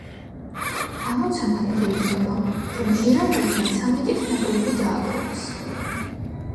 ამოცანა გვეუბნება, რომ ჟირაფებმა ცამეტით ნაკლები დააგროვეს.